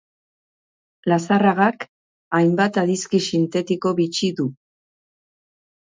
Lazarragak hainbat adizki sintetiko bitxi du.